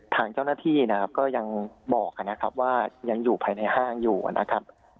ทางเจ้าหน้าที่ก็ยังบอกว่ายังอยู่ภายในห้างอยู่นะครับ